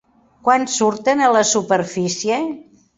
Quan surten a la superfície?